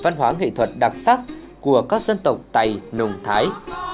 văn hóa nghệ thuật đặc sắc của các dân tộc tây nùng thái